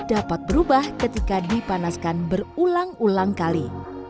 dapat berubah ketika dipanaskan berulang ulang kali